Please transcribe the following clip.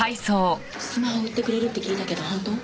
スマホ売ってくれるって聞いたけど本当？